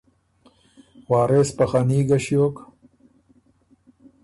وارث په خني ګۀ ݭیوک